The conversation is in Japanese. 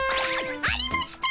ありました！